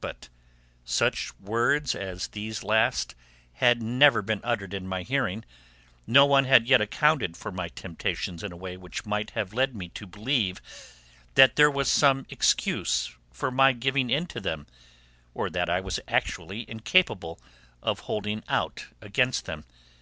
But such words as these last had never been uttered in my hearing; no one had yet accounted for my temptations in a way which might have led me to believe that there was some excuse for my giving in to them, or that I was actually incapable of holding out against them.